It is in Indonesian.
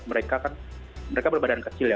mereka kan mereka berbadan kecil ya